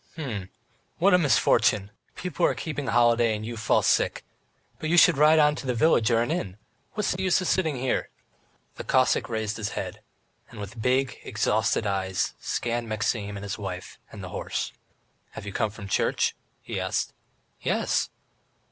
"H'm. What a misfortune! People are keeping holiday, and you fall sick! But you should ride on to a village or an inn, what's the use of sitting here!" The Cossack raised his head, and with big, exhausted eyes, scanned Maxim, his wife, and the horse. "Have you come from church?" he asked. "Yes."